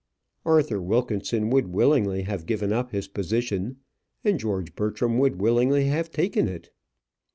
Arthur Wilkinson would willingly have given up his position, and George Bertram would willingly have taken it.